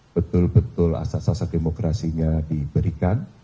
betul betul asas asas demokrasinya diberikan